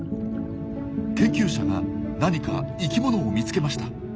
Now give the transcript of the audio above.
研究者が何か生きものを見つけました。